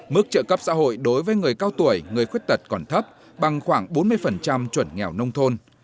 mức trợ cấp xã hội đối với người cao tuổi người khuyết tật còn thấp bằng khoảng bốn mươi chuẩn nghèo nông thôn